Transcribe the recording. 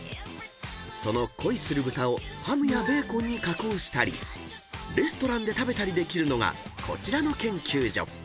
［その恋する豚をハムやベーコンに加工したりレストランで食べたりできるのがこちらの研究所］